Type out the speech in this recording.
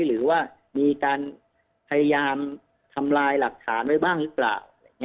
หรือว่ามีการพยายามทำลายหลักฐานไว้บ้างหรือเปล่า